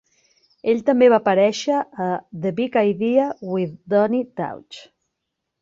Ell també va aparèixer a "The Big Idea with Donny Deutsch".